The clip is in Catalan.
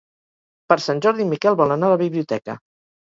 Per Sant Jordi en Miquel vol anar a la biblioteca.